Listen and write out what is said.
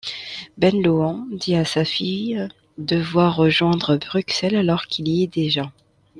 Ben Lohan dit à sa fille devoir rejoindre Bruxelles alors qu'il y est déjà.